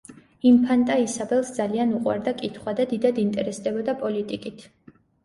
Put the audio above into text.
ინფანტა ისაბელს ძალიან უყვარდა კითხვა და დიდად ინტერესდებოდა პოლიტიკით.